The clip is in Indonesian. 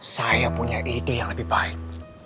saya punya ide yang lebih baik